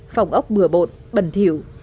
phòng ốc bừa bột bẩn thiểu